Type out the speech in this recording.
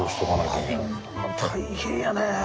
大変やね！